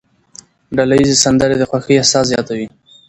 ډلهییزې سندرې د خوښۍ احساس زیاتوي.